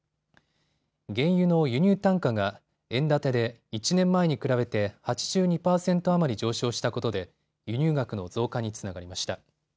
原油の輸入単価が円建てで１年前に比べて８２％余り上昇したことで輸入額の増加につながりました。